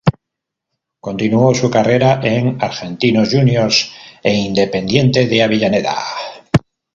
Continuó su carrera en Argentinos Juniors e Independiente de Avellaneda.